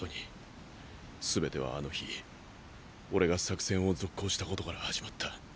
すべてはあの日俺が作戦を続行したことから始まった。